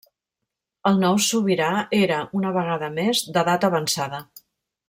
El nou sobirà era, una vegada més, d'edat avançada.